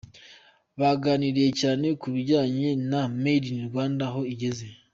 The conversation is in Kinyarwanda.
Baganiriye cyane ku bijyanye na "Made in Rwanda" aho igeze.